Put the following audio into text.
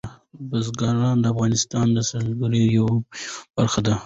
بزګان د افغانستان د سیلګرۍ یوه مهمه برخه ده.